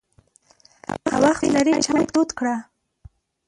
که وخت لرې، چای تود کړه!